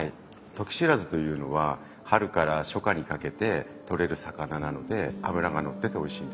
トキシラズというのは春から初夏にかけて取れる魚なので脂がのってておいしいんです。